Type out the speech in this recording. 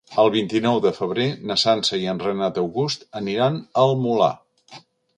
El vint-i-nou de febrer na Sança i en Renat August aniran al Molar.